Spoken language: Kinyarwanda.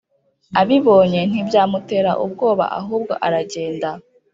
abibonye ntibyamutera ubwoba ahubwo aragenda